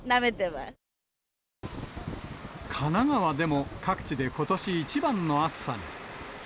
神奈川でも、各地でことし一番の暑さに。